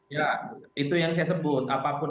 ya itu yang saya sebut apapun